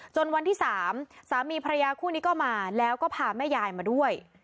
วันที่๓สามีภรรยาคู่นี้ก็มาแล้วก็พาแม่ยายมาด้วย